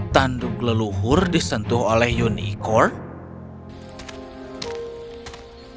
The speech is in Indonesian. tanduk leluhur disentuh oleh unicorn